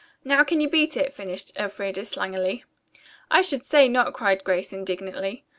Now can you beat it?" finished Elfreda slangily. "I should say not," cried Grace indignantly.